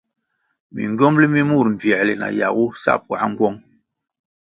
Mingywomli mi mur mbvierli na yagu sa puáh nğuong.